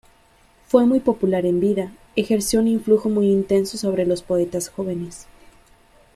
Fue muy popular en vida, ejerció un influjo muy intenso sobre los poetas jóvenes.